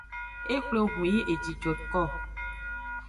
E xwle ehun yi eji joeko.